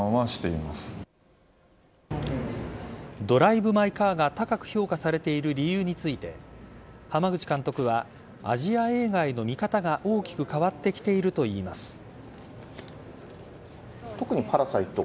「ドライブ・マイ・カー」が高く評価されている理由について濱口監督は、アジア映画への見方が、大きく変わってきているといいます。